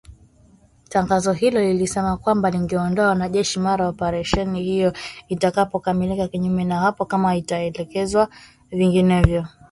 Tangazo hilo lilisema kwamba lingeondoa wanajeshi mara operesheni hiyo itakapokamilika kinyume na hapo kama itaelekezwa vinginevyo